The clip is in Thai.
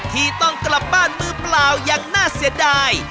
ที่ต้องกลับบ้านมือเปล่าอย่างน่าเสียดาย